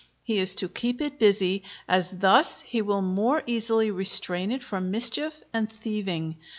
He is to keep it busy, as thus he will more easily restrain it from mischief and thieving.